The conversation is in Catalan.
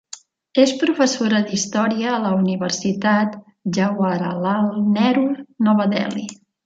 És professora d'Història a la Universitat Jawaharlal Nehru, Nova Delhi.